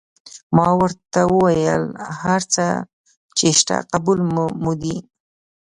ما ورته وویل: هر څه چې شته قبول مو دي.